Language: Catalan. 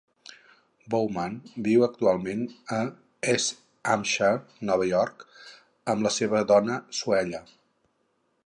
Bowman viu actualment a East Amherst, Nova York, amb la seva dona Suella.